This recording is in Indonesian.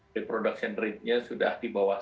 reproduction rate nya sudah di bawah